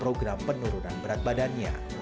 program penurunan berat badannya